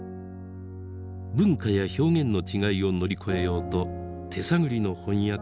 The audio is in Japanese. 文化や表現の違いを乗り越えようと手探りの翻訳が始まりました。